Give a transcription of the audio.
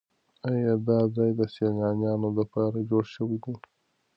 ایا دا ځای د سیلانیانو لپاره جوړ شوی دی؟